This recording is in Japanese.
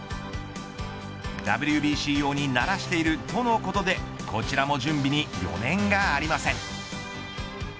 ＷＢＣ用に慣らしているとのことでこちらも準備に余念がありません。